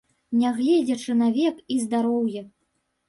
Нягледзячы на век і здароўе.